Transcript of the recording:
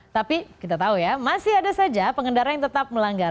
tapi kita tahu ya masih ada saja pengendara yang tetap melanggar